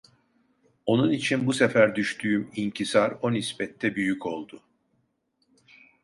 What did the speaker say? Onun için, bu sefer düştüğüm inkisar o nispette büyük oldu.